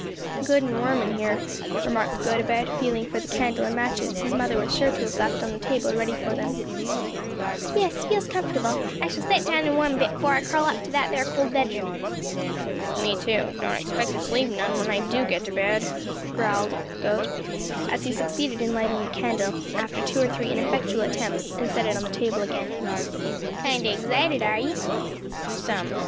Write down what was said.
"Good and warm in here," remarked Gotobed, feeling for the candle and matches his mother was sure to have left on the table ready for them. "Yes; feels comfortable. I shall set down and warm a bit 'fore I crawl up to that there cold bed room." "Me too; don't expect to sleep none when I do get to bed," growled Gote, as he succeeded in lighting the candle, after two or three ineffectual attempts, and set it on the table again. "Kind o' eggzited are ye?" "Some.